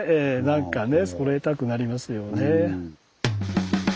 なんかねそろえたくなりますよね。